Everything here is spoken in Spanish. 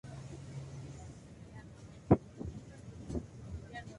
Su salida se debió a la inconformidad con dicha situación.